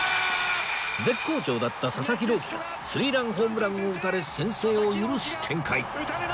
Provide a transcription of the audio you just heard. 絶好調だった佐々木朗希がスリーランホームランを打たれ先制を許す展開